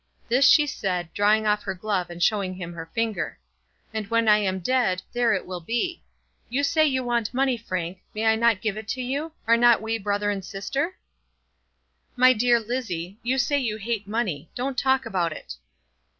This she said, drawing off her glove and showing him her finger. "And when I am dead, there it will be. You say you want money, Frank. May I not give it you? Are not we brother and sister?" "My dear Lizzie, you say you hate money. Don't talk about it."